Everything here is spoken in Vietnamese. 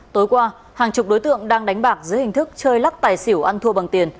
tối qua hàng chục đối tượng đang đánh bạc dưới hình thức chơi lắc tài xỉu ăn thua bằng tiền